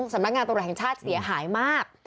สำนักงานตรวจแห่งชาติเสียหายมาก